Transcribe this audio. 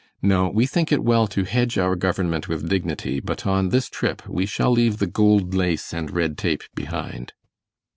No, we think it well to hedge our government with dignity, but on this trip we shall leave the gold lace and red tape behind."